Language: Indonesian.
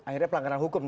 akhirnya pelanggaran hukum